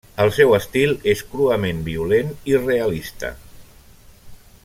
El seu estil és cruament violent i realista.